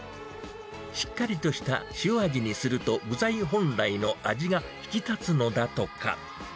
しっかりとした塩味にすると、具材本来の味が引き立つのだとか。